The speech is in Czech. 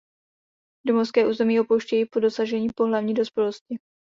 Domovské území opouštějí po dosažení pohlavní dospělosti.